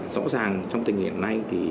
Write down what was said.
rõ ràng trong tình hình này thì